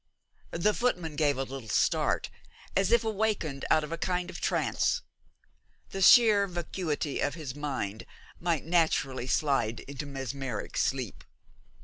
The footman gave a little start, as if awakened out of a kind of trance. The sheer vacuity of his mind might naturally slide into mesmeric sleep.